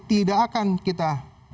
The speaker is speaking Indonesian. tidak akan kita